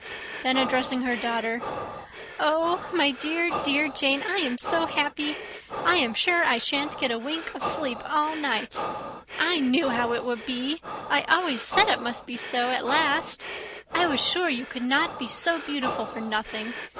Then addressing her daughter, "Oh, my dear, dear Jane, I am so happy! I am sure I shan't get a wink of sleep all night. I knew how it would be. I always said it must be so, at last. I was sure you could not be so beautiful for nothing!